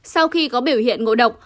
sau khi có biểu hiện ngộ độc